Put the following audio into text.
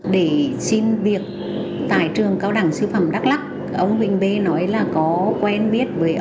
để xin việc tại trường cao đẳng sư phạm đắk lắc ông huỳnh bê nói là có quen biết với ông